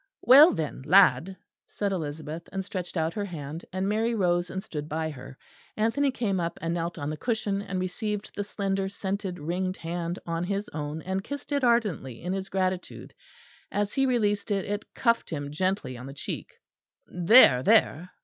"Well, then, lad," said Elizabeth, and stretched out her hand; and Mary rose and stood by her. Anthony came up and knelt on the cushion and received the slender scented ringed hand on his own, and kissed it ardently in his gratitude. As he released it, it cuffed him gently on the cheek. "There, there!"